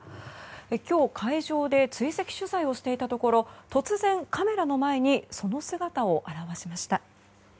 今日、海上で追跡取材をしていたところ突然、カメラの前にその姿を現しました。